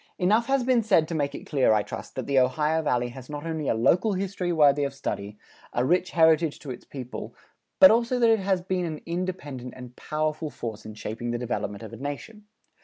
Enough has been said to make it clear, I trust, that the Ohio Valley has not only a local history worthy of study, a rich heritage to its people, but also that it has been an independent and powerful force in shaping the development of a nation.